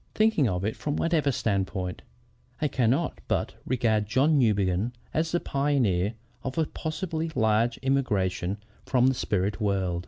"Thinking of it from whatever standpoint, I cannot but regard John Newbegin as the pioneer of a possibly large immigration from the spirit world.